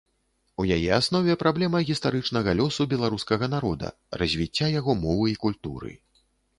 У яе аснове праблема гістарычнага лёсу беларускага народа, развіцця яго мовы і культуры.